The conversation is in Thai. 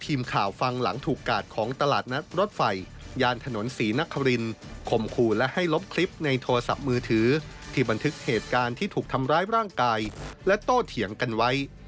ทีมข่าวฟังหลังถูกกาดของตลาดนัดรถไฟยานถนนศรีนครินคมคู่และให้ลบคลิปในโทรศัพท์มือถือที่บันทึกเหตุการณ์ที่ถูกทำร้ายร่างกายและโตเถียงกันไว้